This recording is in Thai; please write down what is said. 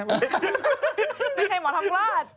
ไม่ใช่หมอธรรมราช